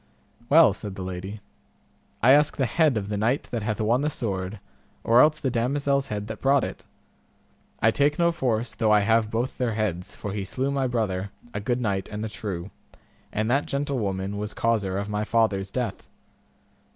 Well, said the lady, I ask the head of the knight that hath won the sword, or else the damosel's head that brought it; I take no force though I have both their heads, for he slew my brother, a good knight and a true, and that gentlewoman was causer of my father's death.